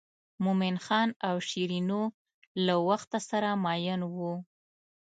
مومن خان او شیرینو له وخته سره مئین وو.